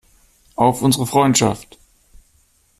Auf unsere Freundschaft!